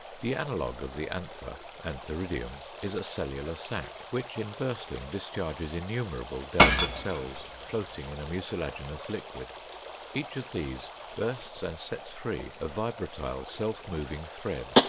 The analogue of the anther (Antheridium) is a cellular sac, which in bursting discharges innumerable delicate cells floating in a mucilaginous liquid; each of these bursts and sets free a vibratile self moving thread.